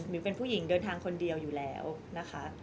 เป็นผู้หญิงเดินทางคนเดียวอยู่แล้วนะคะ